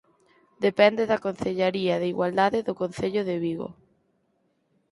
Depende da Concellaría de Igualdade do Concello de Vigo.